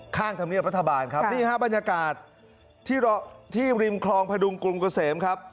ธรรมเนียบรัฐบาลครับนี่ฮะบรรยากาศที่ริมคลองพดุงกรุงเกษมครับ